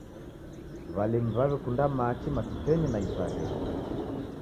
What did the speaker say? W'alimi w'aw'ekumba machi matutenyi na iparenyi